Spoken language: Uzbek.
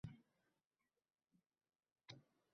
Turli tadbirlarga jalb qilish talaba vaqtini o‘g‘irlashdir.